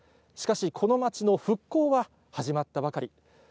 しかし、この町の復興は始まったばかり。